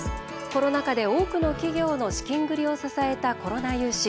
コロナ禍で多くの企業の資金繰りを支えたコロナ融資。